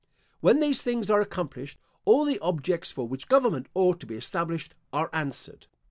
When these things are accomplished, all the objects for which government ought to be established are answered.